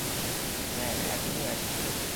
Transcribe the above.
হ্যাঁঁ, এখনই আসছি।